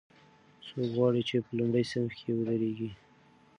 څوک غواړي چې په لومړي صف کې ودریږي؟